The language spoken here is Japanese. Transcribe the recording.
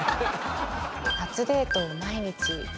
「初デートを毎日」。